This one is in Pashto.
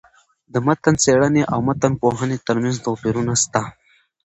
د متن څېړني او متن پوهني ترمنځ توپيرونه سته.